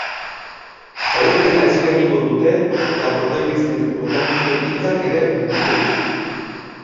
Laburpena eskainiko dute eta protagonisten hitzak ere bilduko dituzte.